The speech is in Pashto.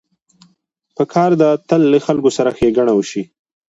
پکار ده تل له خلکو سره ښېګڼه وشي.